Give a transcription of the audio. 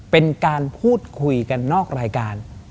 เป็นการพูดคุยกันนอกรายการ